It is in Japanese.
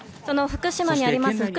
その福島にあります